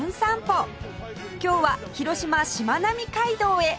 今日は広島しまなみ海道へ